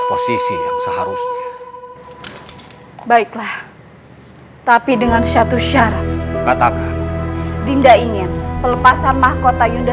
posisi yang seharusnya baiklah tapi dengan satu syarat katakan dinda ingin pelepasan mahkota yuda